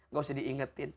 gak usah diingetin